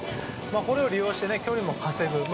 これを利用して距離を稼ぐ。